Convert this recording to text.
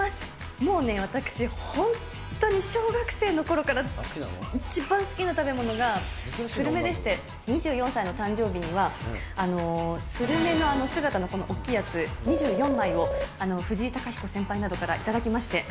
もうね、私、本当に小学生のころから一番好きな食べ物がスルメでして、２４歳の誕生日には、スルメの姿のこの大きいやつ２４枚を、藤井貴彦先輩などから頂きまして。